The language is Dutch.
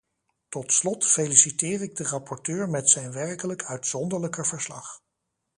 Tot slot feliciteer ik de rapporteur met zijn werkelijk uitzonderlijke verslag.